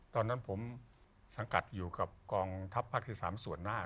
ตอนนั้นผมสังกัดอยู่กับกองทัพภาคที่๓ส่วนหน้า